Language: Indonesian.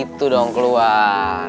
gitu dong keluar